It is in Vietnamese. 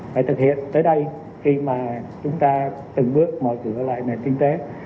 mà bắt buộc phải thực hiện tới đây khi mà chúng ta từng bước mở cửa lại nền kinh tế